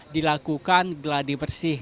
dilakukan gladi bersih